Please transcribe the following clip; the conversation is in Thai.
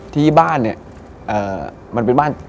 ที่บ้านเนี่ย